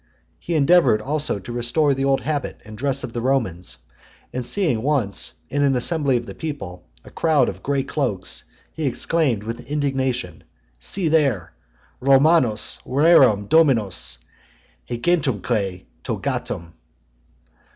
He endeavoured also to restore the old habit and dress of the Romans; and upon seeing once, in an assembly of the people, a crowd in grey cloaks , he exclaimed with indignation, "See there, Romanos rerum dominos, gentemque togatem."